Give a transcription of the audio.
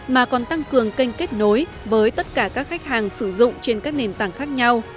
mà còn tăng cường kênh kết nối với tất cả các khách hàng sử dụng trên các nền tảng khác nhau